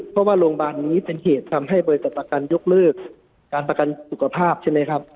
เพราะว่าโรงพยาบาลนี้เป็นเหตุทำให้บริษัทประกันยกเลิกการประกันสุขภาพใช่ไหมครับ